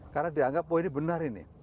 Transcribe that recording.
karena dianggap oh ini benar ini